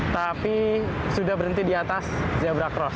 tapi sudah berhenti di atas zebra cross